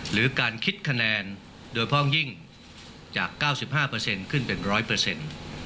หรือการคิดคะแนนโดยพร้อมยิ่งจาก๙๕ขึ้นเป็น๑๐๐